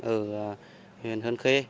ở huyện hơn khế